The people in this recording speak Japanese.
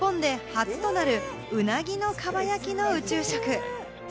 日本で初となるうなぎの蒲焼きの宇宙食。